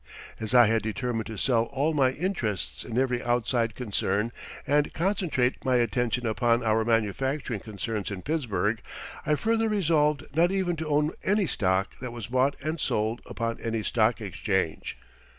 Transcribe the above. As I had determined to sell all my interests in every outside concern and concentrate my attention upon our manufacturing concerns in Pittsburgh, I further resolved not even to own any stock that was bought and sold upon any stock exchange.